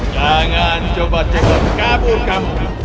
jangan coba cekot kabur kamu